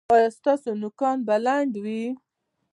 ایا ستاسو نوکان به لنډ وي؟